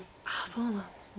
そうなんですね。